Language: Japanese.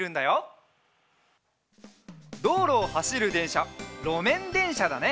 どうろをはしるでんしゃろめんでんしゃだね。